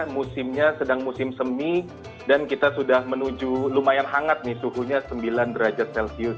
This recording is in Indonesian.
musimnya sedang musim semi dan kita sudah menuju lumayan hangat nih suhunya sembilan derajat celcius